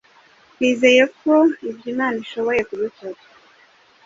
twizeye ko ibyo Imana ishoboye kubikora,